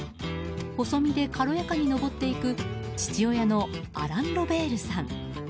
細身で軽やかに登っていく父親のアラン・ロベールさん。